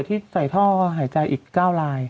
เสียผู้ป่วยที่ใส่ท่อหายใจอีกเก้าราย